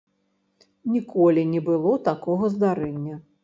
Ніколі не было такога здарэння.